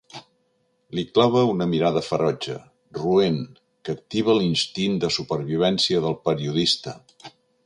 Li clava una mirada ferotge, roent, que activa l'instint de supervivència del periodista.